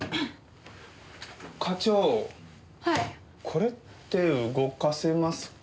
これって動かせますか？